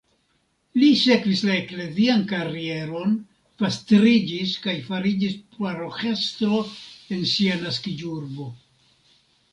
Li sekvis la eklezian karieron, pastriĝis kaj fariĝis paroĥestro en sia naskiĝurbo.